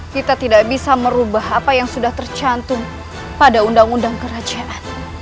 kita tidak bisa merubah apa yang sudah tercantum pada undang undang kerajaan